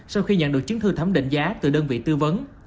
sau khi nhận được chứng thư thẩm định giá từ đơn vị tư vấn